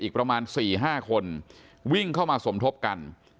อีกประมาณ๔๕คนวิ่งเข้ามาสมทบกัน